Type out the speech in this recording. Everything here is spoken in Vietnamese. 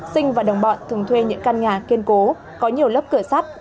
sinh và đồng bọn thường thuê những căn nhà kiên cố có nhiều lớp cửa sắt